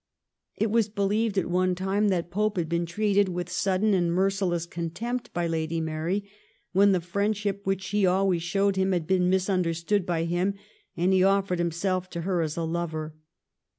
It was believed at one time that Pope had been treated with sudden and merciless contempt by Lady Mary when the friendship which she always showed him had been misunderstood by him and he offered himself to her as a lover.